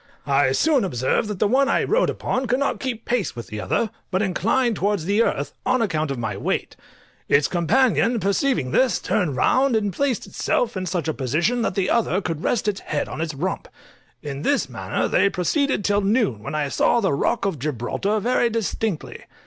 I soon observed that the one I rode upon could not keep pace with the other, but inclined towards the earth, on account of my weight; its companion perceiving this, turned round and placed itself in such a position that the other could rest its head on its rump; in this manner they proceeded till noon, when I saw the rock of Gibraltar very distinctly.